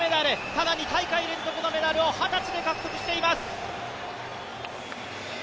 ただ２大会連続のメダルを二十歳で獲得しています。